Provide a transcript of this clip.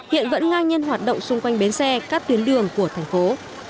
hiện vẫn ngang nhân hoạt động xung quanh bến xe các tuyến đường của thành phố